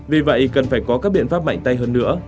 vì vậy cần phải có các biện pháp mạnh tay hơn nữa